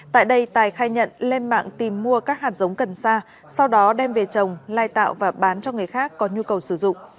tại đây tài khai nhận lên mạng tìm mua các hạt giống cần sa sau đó đem về trồng lai tạo và bán cho người khác có nhu cầu sử dụng